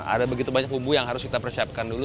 ada begitu banyak bumbu yang harus kita persiapkan dulu